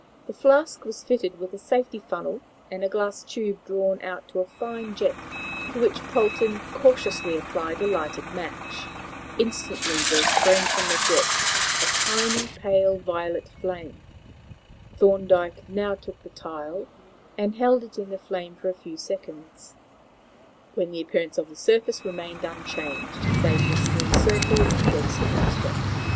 The flask was fitted with a safety funnel and a glass tube drawn out to a fine jet, to which Polton cautiously applied a lighted match. Instantly there sprang from the jet a tiny, pale violet flame. Thorndyke now took the tile, and held it in the flame for a few seconds, when the appearance of the surface remained unchanged save for a small circle of condensed moisture.